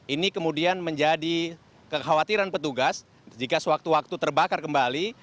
ini kemudian menjadi kekhawatiran petugas jika sewaktu waktu terbakar kembali